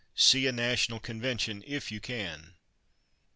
See a national convention if you can.